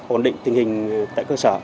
ổn định tình hình tại cơ sở